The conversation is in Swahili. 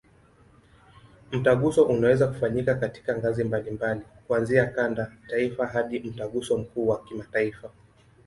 Mtaguso unaweza kufanyika katika ngazi mbalimbali, kuanzia kanda, taifa hadi Mtaguso mkuu wa kimataifa.